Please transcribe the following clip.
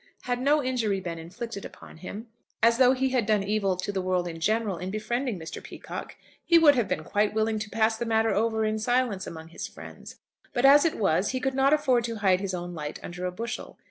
Had no injury been inflicted upon him, as though he had done evil to the world in general in befriending Mr. Peacocke, he would have been quite willing to pass the matter over in silence among his friends; but as it was he could not afford to hide his own light under a bushel.